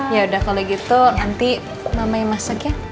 yaudah kalau gitu nanti mama yang masak ya